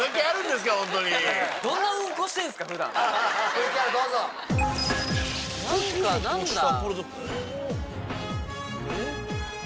ＶＴＲどうぞ。何だ？何？